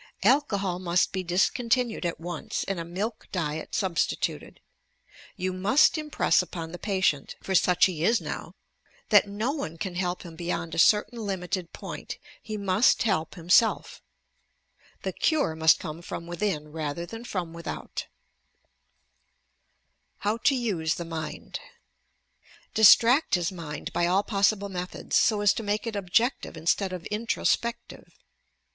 Alcohol must be dis continued at once and a milk diet substituted. You must impress upon the patient (for such he is now) that no one can help him beyond a certain limited point; he must help himself. The cure must come from within rather than from without. b OBSESSION AND INSANITY HOW TO USB THE MIND Distract his mind by all possible methods, so as to make it objective instead of introspective.